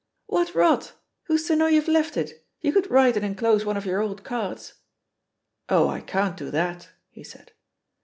"What rot I Who's to know you've left it? you could write and enclose one of your old cards." "Oh, I can't do that,'* he said.